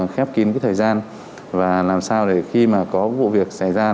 khép kín thời gian và làm sao để khi có vụ việc xảy ra